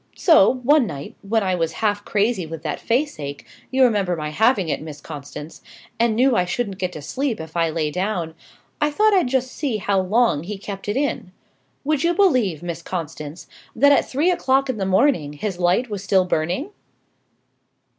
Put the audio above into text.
So, one night, when I was half crazy with that face ache you remember my having it, Miss Constance? and knew I shouldn't get to sleep, if I lay down, I thought I'd just see how long he kept it in. Would you believe, Miss Constance, that at three o'clock in the morning his light was still burning?"